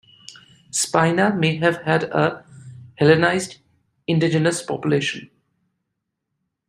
Spina may have had a Hellenised indigenous population.